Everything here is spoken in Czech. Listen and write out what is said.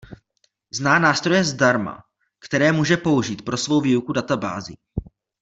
Zná nástroje zdarma, které může použít pro svou výuku databází.